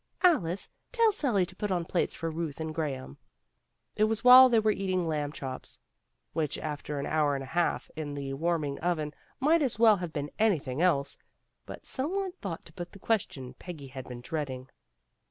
Alice, tell Sally to put on plates for Euth and Graham. '' It was while they were eating lamb chops, which after an hour and a half in the warming oven might as well have been anything else, that some one thought to put the question Peggy had been dreading.